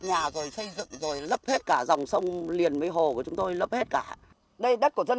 nhà rồi xây dựng rồi lấp hết cả dòng sông liền với hồ của chúng tôi lấp hết cả đây đất của dân